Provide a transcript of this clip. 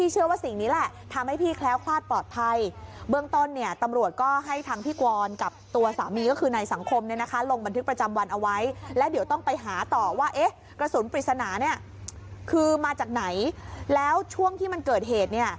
คือมาจากไหนแล้วช่วงที่มันเกิดเหตุ